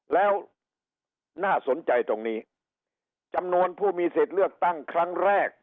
แล้วน่าสนใจตรงนี้จำนวนผู้มีสิทธิ์เลือกตั้งครั้งแรก